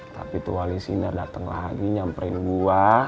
tapi tuh wali sinar dateng lagi nyamperin gue